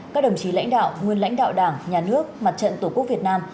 các đồng chí lãnh đạo nguyên lãnh đạo đảng nhà nước mặt trận tổ quốc việt nam